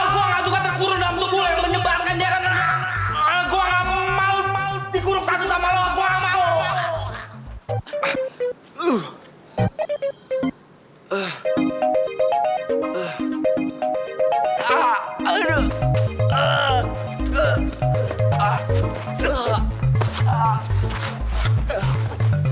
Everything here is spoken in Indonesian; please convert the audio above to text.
gue gak suka terkurun dalam tubuh yang menyebarkan darren